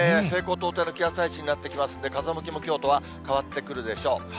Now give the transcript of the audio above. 西高東低の気圧配置になってきますので、風向きもきょうとは変わってくるでしょう。